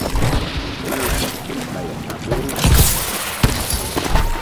Nah sɔk tul ɓay a ɓoru.